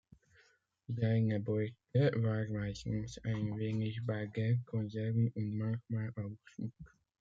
Seine Beute war meistens ein wenig Bargeld, Konserven und manchmal auch Schmuck.